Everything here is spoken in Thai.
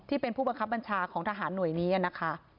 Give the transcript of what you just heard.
ผู้เป็นผู้บังคับบัญชาของทหารหน่วยนี้นะคะ